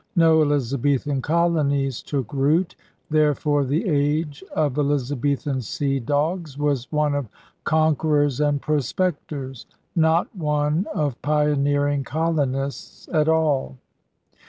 No Elizabethan colonies took root. There fore the age of Elizabethan sea dogs was one of conquerors and prospectors, not one of pioneering colonists at all.